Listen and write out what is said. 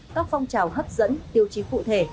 các phong trào hấp dẫn tiêu chí phụ thể